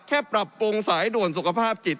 ปรับปรุงสายด่วนสุขภาพจิต